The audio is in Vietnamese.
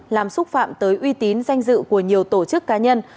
làm xúc phạm tới uy tín danh dự của nhiều tổ chức cá nhân